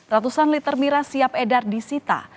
ratusan liter miras siap edar di sita